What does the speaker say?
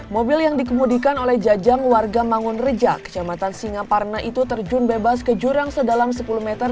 mobil yang dikemudikan oleh jajang warga mangun reja kecamatan singaparna itu terjun bebas ke jurang sedalam sepuluh meter